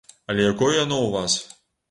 Але якое яно ў вас?